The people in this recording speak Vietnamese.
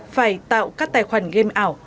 phải tạo các tài khoản game ảo